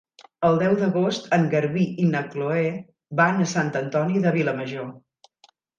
El deu d'agost en Garbí i na Chloé van a Sant Antoni de Vilamajor.